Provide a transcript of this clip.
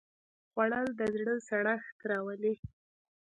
خوړل د زړه سړښت راولي